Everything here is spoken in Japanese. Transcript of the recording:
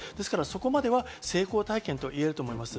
そこまでは成功体験といえると思います。